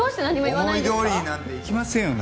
思いどおりになんていきませんよ